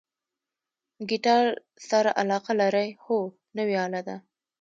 ګیتار سره علاقه لرئ؟ هو، نوی آله ده